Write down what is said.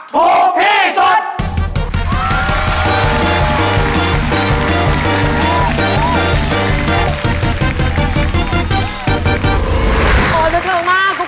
บอทจำเวลาด้วย